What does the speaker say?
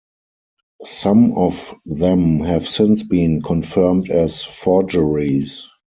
Some of them have since been confirmed as forgeries.